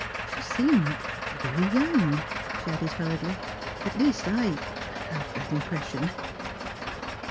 '' She seemed very — ^young," she added, hurriedly. '' At least I — have that impression."